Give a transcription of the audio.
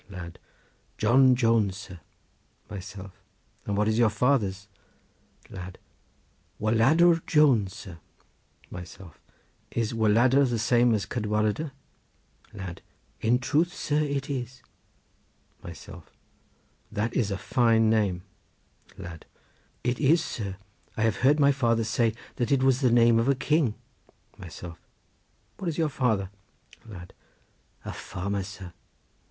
Lad.—John Jones, sir. Myself.—And what is your father's? Lad.—Waladr Jones, sir. Myself.—Is Waladr the same as Cadwaladr? Lad.—In truth, sir, it is. Myself.—That is a fine name. Lad.—It is, sir; I have heard my father say that it was the name of a king. Myself.—What is your father? Lad.—A farmer, sir.